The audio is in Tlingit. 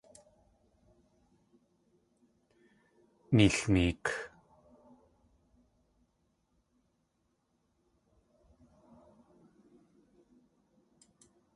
Neelneek!